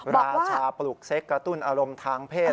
ราชาปลูกเซ็กกระตุ้นอารมณ์ทางเพศ